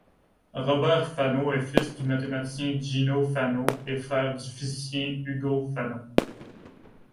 Robert Fano est fils du mathématicien Gino Fano et frère du physicien Ugo Fano.